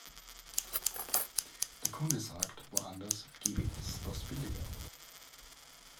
Der Kunde sagt, woanders gäbe es das billiger.